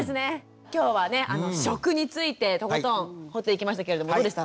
今日はね食についてとことん掘っていきましたけれどもどうでした？